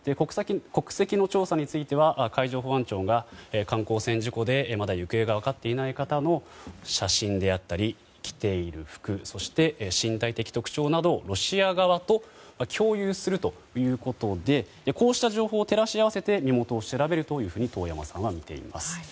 国籍の調査については海上保安庁が観光船事故でまだ行方が分かっていない方の写真であったり、着ている服そして、身体的特徴などロシア側と共有するということでこうした情報を照らし合わせて身元を調べると遠山さんはみています。